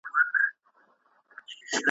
په مینه تور هندو خپلېږي